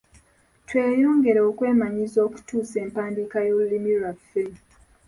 Tweyongere okwemanyiiza okutuusa empandiika y’olulimi lwaffe.